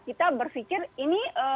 kita berfikir ini